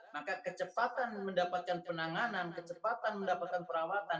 maka kecepatan mendapatkan penanganan kecepatan mendapatkan perawatan